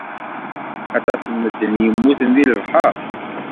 Aṭas n medden i yemmuten deg lebḥer.